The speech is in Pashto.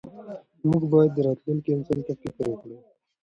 موږ باید راتلونکي نسل ته فکر وکړو.